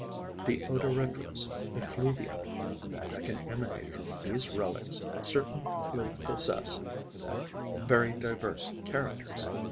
The odoriferous effluvia that can emanate from these relics certainly possess very diverse characters.